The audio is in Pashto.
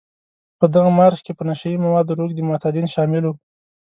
په دغه مارش کې په نشه يي موادو روږدي معتادان شامل وو.